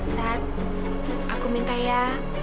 sat aku minta ya